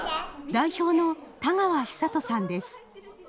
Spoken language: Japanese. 代表の田川尚登さんです。